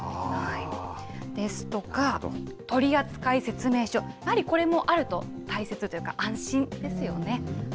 ですとか、取扱説明書、やはりこれもあると大切というか、安心ですよね。